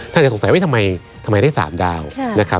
ถ้าจะสงสัยว่าทำไมได้๓ดาวนะครับ